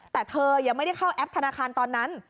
แต่เธอยังไม่ได้เข้าแอปธนาคารตอนนั้น